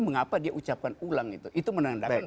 mengapa dia ucapkan ulang itu itu menandakan